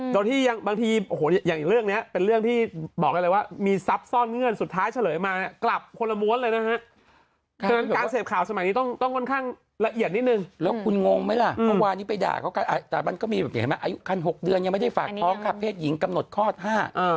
โดยที่ยังบางทีโอ้โหอย่างอีกเรื่องเนี่ยเป็นเรื่องที่บอกกันเลยว่ามีทรัพย์ซ่อนเงื่อนสุดท้ายเฉลยมากลับคนละม้วนเลยนะฮะ